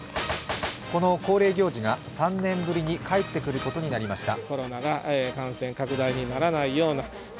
この恒例行事が３年ぶりに帰ってくることになりました。